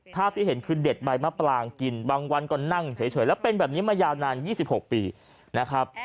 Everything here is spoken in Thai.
ที่เห็นคือเด็ดใบมะปลางกินบางวันก็นั่งเฉยแล้วเป็นแบบนี้มายาวนาน๒๖ปีนะครับ